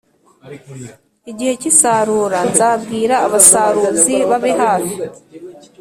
Igihe cy’isarura nzabwira abasaruzi babe hafi